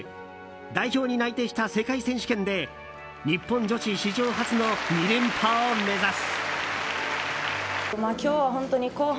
代表に内定した世界選手権で日本女子史上初の２連覇を目指す。